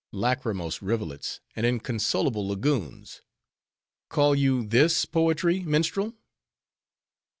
Lachrymose rivulets, and inconsolable lagoons! Call you this poetry, minstrel?"